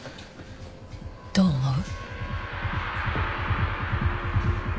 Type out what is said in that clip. どう思う？